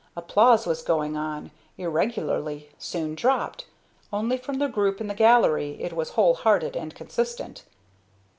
Applause was going on irregularly soon dropped. Only, from the group in the gallery it was whole hearted and consistent.